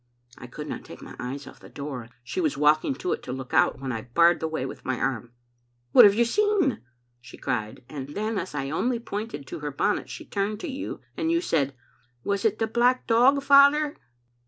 '" I could not take my eyes off the door, and she was walking to it to look out when I barred the way with my arm. "*What have you seen?' she cried; and then, as I only pointed to her bonnet, she turned to you, and you said, *Was it the black dog, father?'